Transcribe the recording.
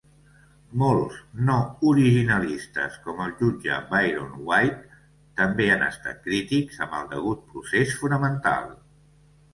Molts no originalistes, com el jutge Byron White, també han estat crítics amb el degut procés fonamental.